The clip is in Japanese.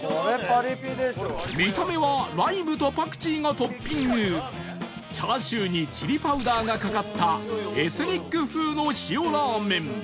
見た目はライムとパクチーがトッピングチャーシューにチリパウダーがかかったエスニック風の塩ラーメン